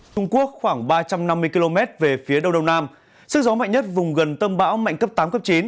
trung quốc khoảng ba trăm năm mươi km về phía đông đông nam sức gió mạnh nhất vùng gần tâm bão mạnh cấp tám cấp chín